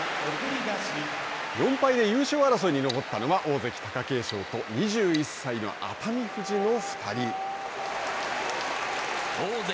４敗で優勝争いに残ったのは貴景勝と２１歳の熱海富士の２人。